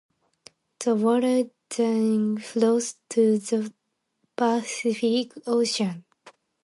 The water then flows to the Pacific Ocean.